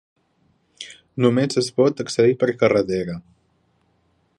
Només es pot accedir per carretera.